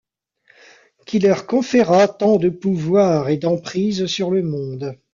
Qui leur conféra tant de pouvoirs et d’emprise sur le monde.